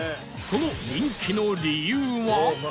その人気の理由は？